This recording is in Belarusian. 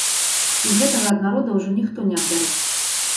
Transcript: І гэтага ад народа ўжо ніхто не адбярэ.